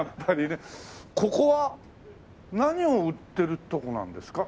ここは何を売ってるとこなんですか？